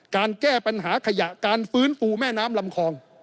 การแก้ปัญหาขยะการฟื้นฟูแม่น้ำลำคอง